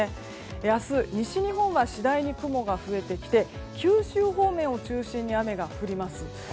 明日、西日本は次第に雲が増えて九州方面を中心に雨が降ります。